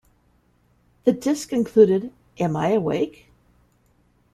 The disc included Am I Awake?